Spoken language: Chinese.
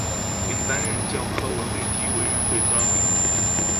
并担任教科文卫体委员会专委。